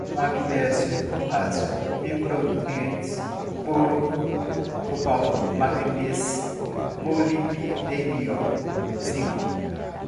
magnésio, potássio, micronutrientes, boro, cobalto, manganês, molibdênio, zinco